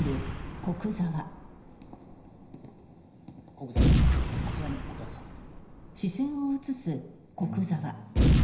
古久沢様あちらにお客様が。